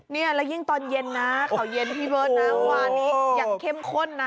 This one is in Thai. เนี่ยแล้วยิ่งตอนเย็นนะข่าวเย็นพี่เบิร์ตนะเมื่อวานนี้อย่างเข้มข้นนะ